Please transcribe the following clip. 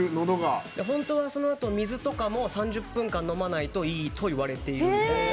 本当はそのあと水とかも３０分間飲まないといいといわれているみたいな。